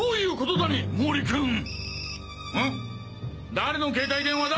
誰の携帯電話だ？